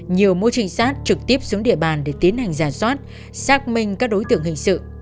nhiều môi trinh sát trực tiếp xuống địa bàn để tiến hành giả soát xác minh các đối tượng hình sự tệ nạn xã hội